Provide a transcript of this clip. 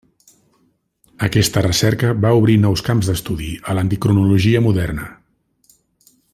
Aquesta recerca va obrir nous camps d'estudi a l'endocrinologia moderna.